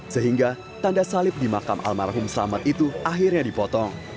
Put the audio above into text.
sehingga tanda salib di makam almarhum selamat itu akhirnya dipotong